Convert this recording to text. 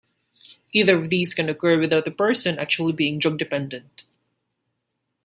Either of these can occur without the person actually being drug-dependent.